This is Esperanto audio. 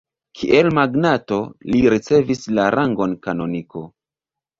Kiel magnato, li ricevis la rangon kanoniko.